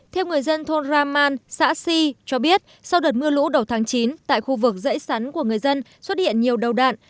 theo người dân thôn raman xã si cho biết sau đợt mưa lũ đầu tháng chín tại khu vực dãy sắn của người dân xuất hiện nhiều đầu đạn